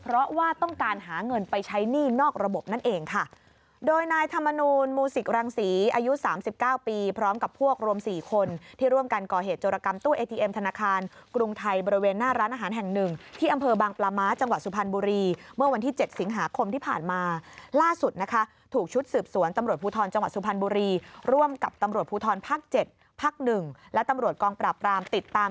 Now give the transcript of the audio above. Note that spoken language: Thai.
ระบบนั้นเองค่ะโดยนายธรรมนูญมูศิกรังศรีอายุสามสิบเก้าปีพร้อมกับพวกรวมสี่คนที่ร่วมกันก่อเหตุจรกรรมตู้เอทีเอ็มธนาคารกรุงไทยบริเวณหน้าร้านอาหารแห่งหนึ่งที่อำเภอบางปลาม้าจังหวัดสุพรรณบุรีเมื่อวันที่เจ็ดสิงหาคมที่ผ่านมาล่าสุดนะคะถูกชุดสืบสวนตำรวจภูทรจั